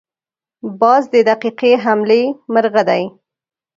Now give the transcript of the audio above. باز د دقیقې حملې مرغه دی